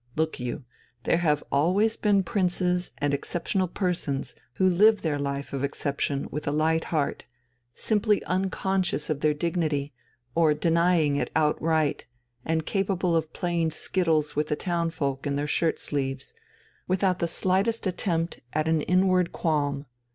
Look you, there have always been princes and exceptional persons who live their life of exception with a light heart, simply unconscious of their dignity or denying it outright, and capable of playing skittles with the townsfolk in their shirt sleeves, without the slightest attempt at an inward qualm.